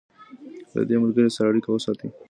له دې ملګري سره اړیکه وساتئ.